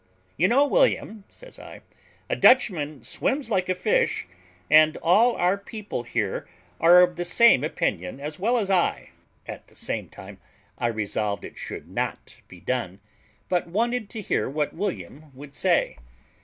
You know, William," says I, "a Dutchman swims like a fish; and all our people here are of the same opinion as well as I." At the same time I resolved it should not be done, but wanted to hear what William would say.